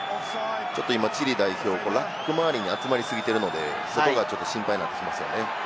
チリ代表、ラック周りに集まりすぎてるので、外が心配になってきますね。